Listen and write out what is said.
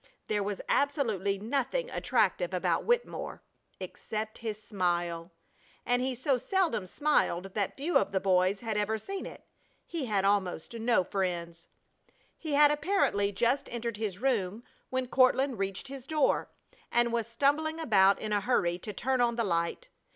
There was absolutely nothing attractive about Wittemore except his smile, and he so seldom smiled that few of the boys had ever seen it. He had almost no friends. He had apparently just entered his room when Courtland reached his door, and was stumbling about in a hurry to turn on the light.